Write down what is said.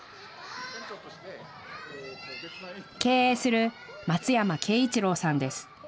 経営する松山圭一郎さんです。